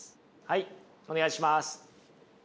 はいお願いします。